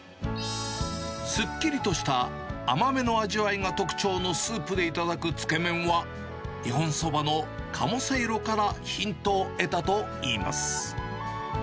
すっきりとした甘めの味わいが特徴のスープで頂くつけ麺は、日本そばのかもせいろからヒントを得たといいます。